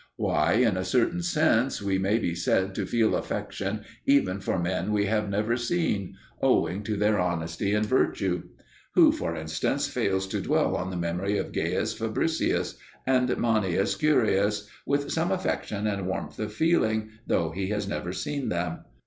Why, in a certain sense we may be said to feel affection even for men we have never seen, owing to their honesty and virtue. Who, for instance, fails to dwell on the memory of Gaius Fabricius and Manius Curius with some affection and warmth of feeling, though he has never seen them?